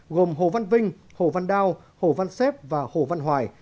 gồm hồ văn vinh hồ văn đao hồ văn xếp và hồ văn hoài